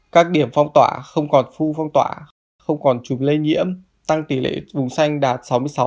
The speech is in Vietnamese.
các điểm phong tỏa không còn phu phong tỏa không còn chụp lây nhiễm tăng tỷ lệ vùng xanh đạt sáu mươi sáu